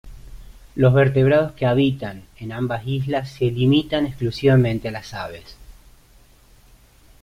Los vertebrados que habitan en ambas islas se limitan exclusivamente a las aves.